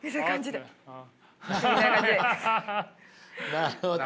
なるほど。